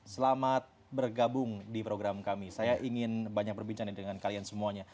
selamat bergabung di program kami saya ingin banyak berbincang dengan kalian semuanya